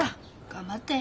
頑張って！